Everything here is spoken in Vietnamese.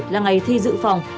là ngày thi dự phòng